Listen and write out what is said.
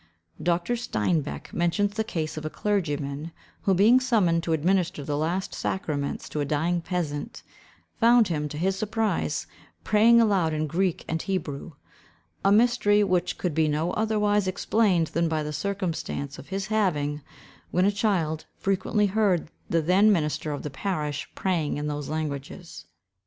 Dr. Steinbech mentions the case of a clergyman, who, being summoned to administer the last sacraments to a dying peasant, found him, to his surprise, praying aloud in Greek and Hebrew, a mystery which could be no otherwise explained than by the circumstance of his having, when a child, frequently heard the then minister of the parish praying in those languages.